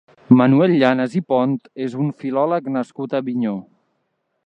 Manuel Llanas i Pont és un filòleg nascut a Avinyó.